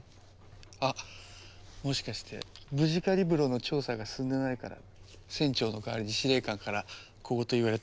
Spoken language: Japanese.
あもしかしてムジカリブロの調査が進んでないから船長の代わりに司令官から小言言われてたりして。